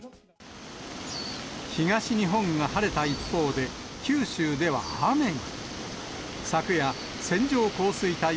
東日本が晴れた一方で、九州では雨が。